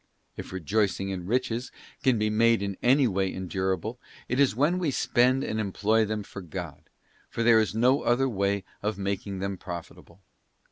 If rejoicing in riches can be made in any way endurable, it is when we spend and employ them for God ; for there is no other way of making them profitable.